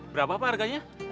berapa pak harganya